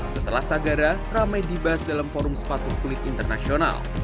setelah sagara ramai dibahas dalam forum sepatu kulit internasional